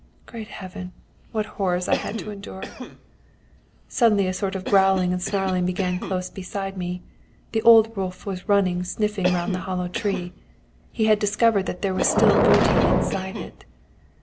Great Heaven! What horrors I had to endure! "Suddenly a sort of growling and snarling began close beside me. The old wolf was running sniffing round the hollow tree. He had discovered that there was still booty inside it.